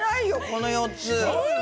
この４つ。